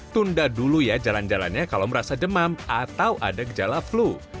tunda dulu ya jalan jalannya kalau merasa demam atau ada gejala flu